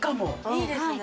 いいですね。